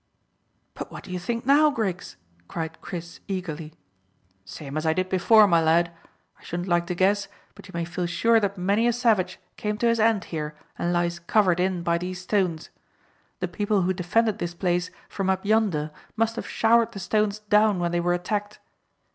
"But what do you think now, Griggs?" cried Chris eagerly. "Same as I did before, my lad. I shouldn't like to guess, but you may feel sure that many a savage came to his end here and lies covered in by these stones. The people who defended this place from up yonder must have showered the stones down when they were attacked.